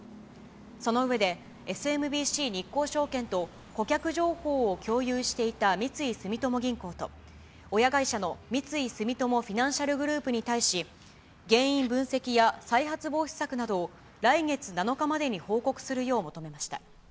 その上で、ＳＭＢＣ日興証券と顧客情報を共有していた三井住友銀行と、親会社の三井住友フィナンシャルグループに対し、原因分析や再発防止策などを来月７日までに報告するよう求めました。